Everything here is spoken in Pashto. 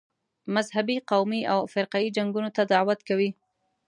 مذهبي، قومي او فرقه یي جنګونو ته دعوت کوي.